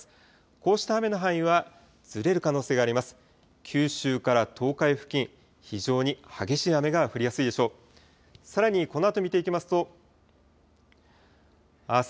こうした雨の範囲はずれる可能性があります。